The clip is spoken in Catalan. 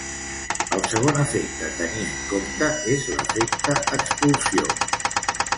El segon efecte a tenir en compte és l'efecte expulsió.